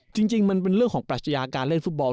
จริงมันเป็นเรื่องของปรัชญาการเล่นฟุตบอล